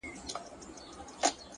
د ژوند لار په قدمونو جوړیږي.